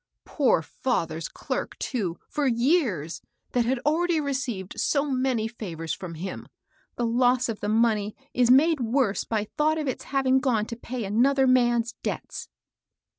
" Poor father's clerk, too, for years, that had already received so many favors from him! The loss of the money is made worse by thought of its having gone to pay another man's debts."